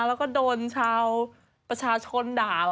แล้วก็โดนชาวประชาชนด่า